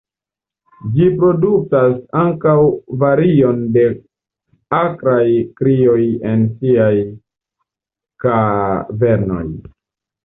Ĝi produktas ankaŭ varion de akraj krioj en siaj kavernoj.